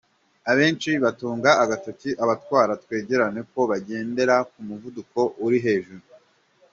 Abenshi batunga agatoki abatwara twegerane ko bagendera ku muvuduko uri hejuru.